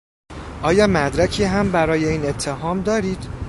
آیا مدرکی هم برای این اتهام دارید؟